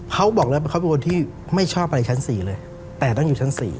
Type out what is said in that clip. เขาบอกแล้วเขาเป็นคนที่ไม่ชอบอะไรชั้น๔เลยแต่ต้องอยู่ชั้น๔